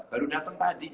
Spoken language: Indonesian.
baru datang tadi